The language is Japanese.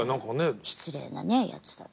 失礼なねやつだったら。